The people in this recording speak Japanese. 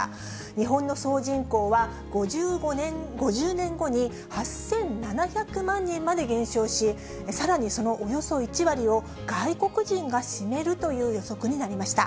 日本の総人口は５０年後に８７００万人まで減少し、さらにそのおよそ１割を外国人が占めるという予測になりました。